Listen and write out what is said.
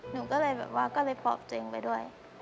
หนูก็เลยแบบว่าก็เลยปอบจริงไปด้วย